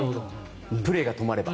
プレーが止まれば。